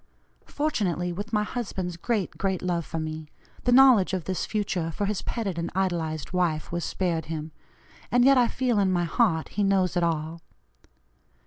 "Fortunately, with my husband's great, great love for me the knowledge of this future for his petted and idolized wife was spared him, and yet I feel in my heart he knows it all.